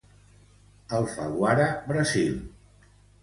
Alfaguara Brasil.